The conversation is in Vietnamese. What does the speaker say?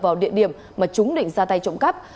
vào địa điểm mà chúng định ra tay trộm cắp